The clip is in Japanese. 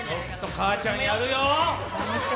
母ちゃんやるよ！